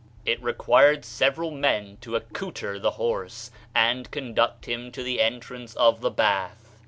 It required several men to accouter the horse, and conduct him to the entrance of the bath.